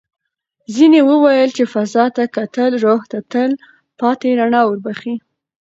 ځینې وویل چې فضا ته کتل روح ته تل پاتې رڼا وربښي.